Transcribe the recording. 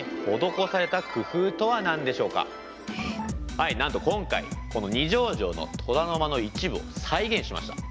はいなんと今回この二条城の虎の間の一部を再現しました。